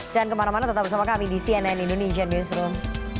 jangan kemana mana tetap bersama kami di cnn indonesian newsroom